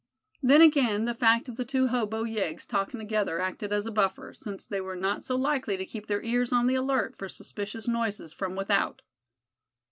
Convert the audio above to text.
Then again, the fact of the two hobo yeggs talking together acted as a buffer, since they were not so likely to keep their ears on the alert for suspicious noises from without.